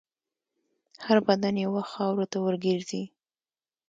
هر بدن یو وخت خاورو ته ورګرځي.